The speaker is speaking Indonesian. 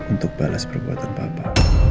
untuk balas perbuatan papa